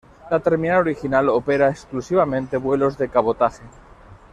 La terminal original opera exclusivamente vuelos de cabotaje.